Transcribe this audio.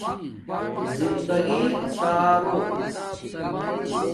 زندگݵ کارو